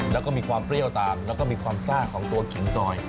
แล้วก็มีความเปรี้ยวตามแล้วก็มีความซ่าของตัวขิงซอย